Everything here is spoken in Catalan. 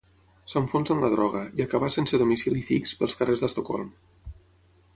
S'enfonsa en la droga, i acabar sense domicili fix, pels carrers d'Estocolm.